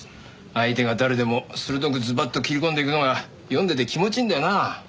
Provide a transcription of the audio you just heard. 相手が誰でも鋭くズバッと切り込んでいくのが読んでて気持ちいいんだよなあ。